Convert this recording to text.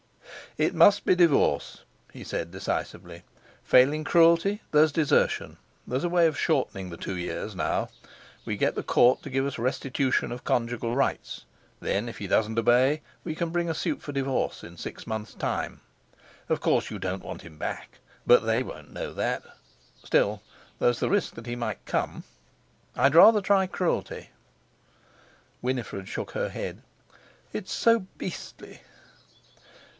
"It must be divorce," he said decisively; "failing cruelty, there's desertion. There's a way of shortening the two years, now. We get the Court to give us restitution of conjugal rights. Then if he doesn't obey, we can bring a suit for divorce in six months' time. Of course you don't want him back. But they won't know that. Still, there's the risk that he might come. I'd rather try cruelty." Winifred shook her head. "It's so beastly."